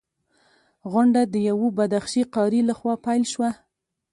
غونډه د یوه بدخشي قاري لخوا پیل شوه.